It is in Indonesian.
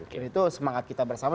dan itu semangat kita bersama